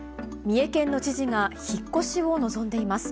三重県の知事が引っ越しを望んでいます。